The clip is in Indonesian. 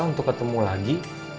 untuk ketemu lagi